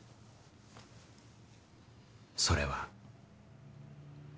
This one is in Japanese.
それは。